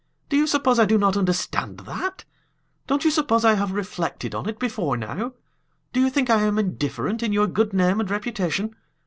Do you suppose I do not understand that? Don't you suppose I have reflected on it before now? Do you think I am indifferent in your good name and reputation?